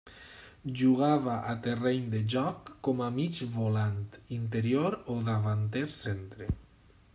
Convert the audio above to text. Jugava a terreny de joc com a mig volant, interior o davanter centre.